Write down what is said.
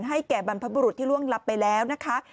ให้แก่บรรพบุรุษที่ล่วงลับไปแล้วนะคะ